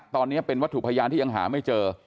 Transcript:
ตอนนี้เป็นวัตถุพยานที่ยังหาไม่เจอ